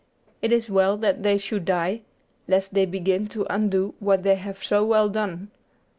It is well that they should die, lest they begin to undo what they have so well done.